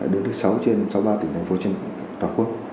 đứng thứ sáu trên sáu mươi ba tỉnh thành phố trên toàn quốc